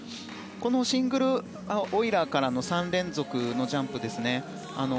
シングルオイラーからの３連続のジャンプ。